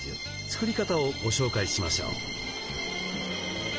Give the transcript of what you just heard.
作り方をご紹介しましょう。